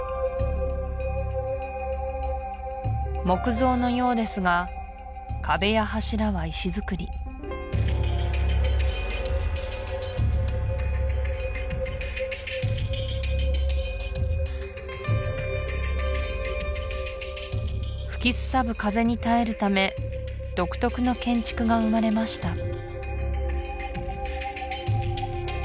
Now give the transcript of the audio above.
木造のようですが壁や柱は石造り吹きすさぶ風に耐えるため独特の建築が生まれました